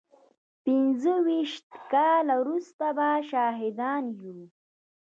پينځه ويشت کاله وروسته به شاهدان يو.